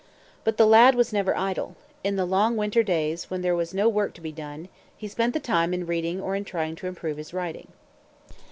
But the lad was never idle. In the long winter days, when there was no work to be done, he spent the time in reading or in trying to improve his writing.